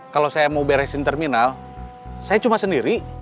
kalau saya mau beresin terminal saya cuma sendiri